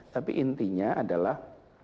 tapi intinya adalah